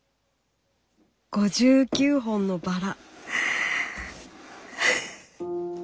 ５９本のバラ。